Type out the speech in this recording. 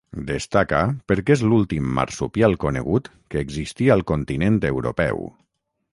Destaca perquè és l'últim marsupial conegut que existí al continent europeu.